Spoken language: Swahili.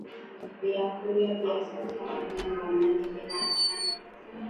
Bya kuria bya sasa na bya nzamani bina achana